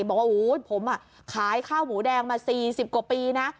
บอกว่าผมขายข้าวหมูแดงมา๔๐กว่าปีนะ